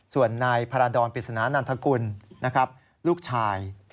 ส่วนนายพาราดรปริศนานันทกุลนะครับลูกชาย